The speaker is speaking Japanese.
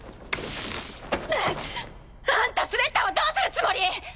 くっ！あんたスレッタをどうするつもり